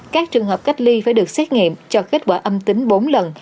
các trường hợp cách ly phải được xét nghiệm cho kết quả âm tính bốn lần